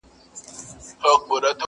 په سیالانو ګاونډیانو کي پاچا و,